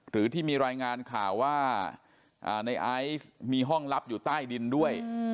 หรือที่มีรายงานข่าวว่าในไอซ์มีห้องลับอยู่ใต้ดินด้วย